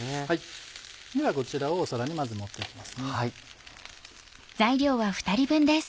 ではこちらを皿にまず盛って行きますね。